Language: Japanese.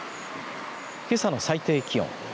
けさの最低気温。